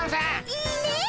いいねえ。